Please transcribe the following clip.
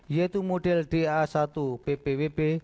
yaitu model da satu ppwp